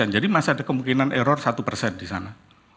jadi masih ada kemungkinan error satu di sana